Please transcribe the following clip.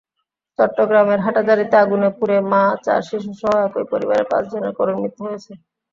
চট্টগ্রামের হাটহাজারীতে আগুনে পুড়ে মা, চার শিশুসহ একই পরিবারের পাঁচজনের করুণ মৃত্যু হয়েছে।